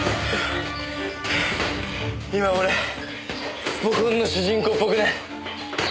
今俺スポ根の主人公っぽくねぇ？